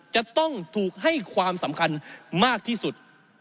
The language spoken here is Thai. จะต้องถูกให้ความสำคัญมากที่สุด